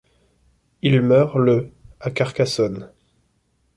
Il meurt le à Carcassonne.